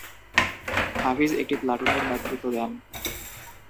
হাফিজ একটি প্লাটুনের নেতৃত্ব দেন।